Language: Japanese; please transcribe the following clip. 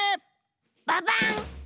ババン！